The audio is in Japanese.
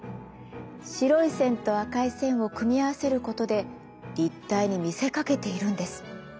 白い線と赤い線を組み合わせることで立体に見せかけているんです。